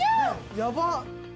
やばっ！